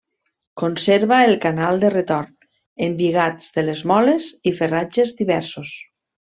Conserva el canal de retorn, embigats de les moles i ferratges diversos.